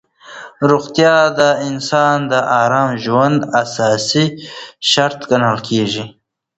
روغتیا د انسان د ارام ژوند اساسي شرط ګڼل کېږي.